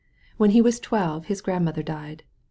When he was twelve his grandmother died.